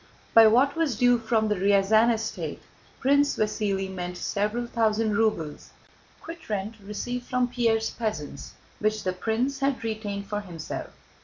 By "what was due from the Ryazán estate" Prince Vasíli meant several thousand rubles quitrent received from Pierre's peasants, which the prince had retained for himself.